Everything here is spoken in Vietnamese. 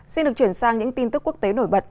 xin được chuyển sang những tin tức quốc tế nổi bật